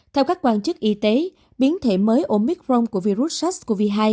theo các quan chức y tế biến thể mới omicron của virus sars cov hai